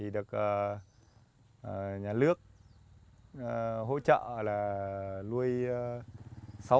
được nhà nước hỗ trợ